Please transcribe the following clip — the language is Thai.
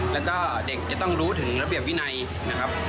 แล้วก็เด็กจะต้องรู้ถึงระเบียบวินัยนะครับ